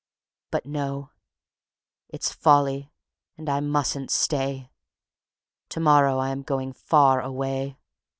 But no, it's folly; and I mustn't stay. To morrow I am going far away.